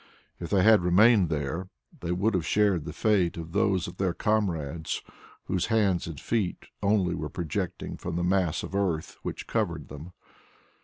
If they had remained there, they would have shared the fate of those of their comrades whose hands and feet only were projecting from the mass of earth which covered them.